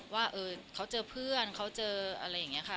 ว่าเขาเจอเพื่อนเขาเจออะไรอย่างนี้ค่ะ